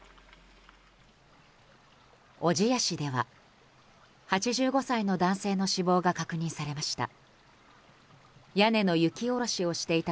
小千谷市では、８５歳の男性の死亡が確認されました。